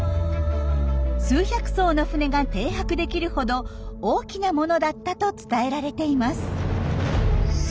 数百艘の船が停泊できるほど大きなものだったと伝えられています。